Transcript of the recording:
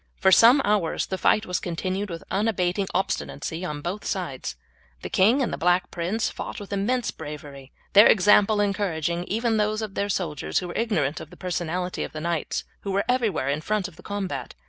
For some hours the fight was continued with unabating obstinacy on both sides. The king and the Black Prince fought with immense bravery, their example encouraging even those of their soldiers who were ignorant of the personality of the knights who were everywhere in front of the combat.